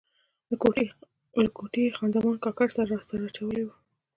له کوټې یې خان زمان کاکړ راسره اچولی و.